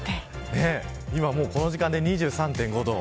今この時間で２３．５度。